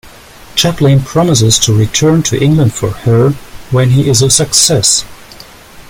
Chaplin promises to return to England for her when he is a success.